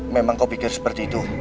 memang kau pikir seperti itu